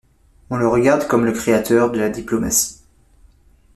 On le regarde comme le créateur de la diplomatique.